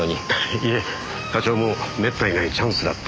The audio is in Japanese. いえ課長もめったにないチャンスだって。